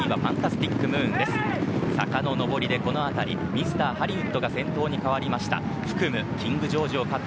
坂の上りでこの辺りミスターハリウッドが先頭に変わりました。